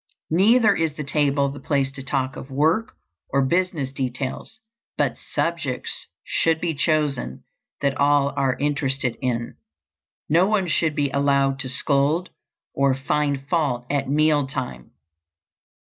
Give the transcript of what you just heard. Neither is the table the place to talk of work or business details, but subjects should be chosen that all are interested in. No one should be allowed to scold or find fault at meal time.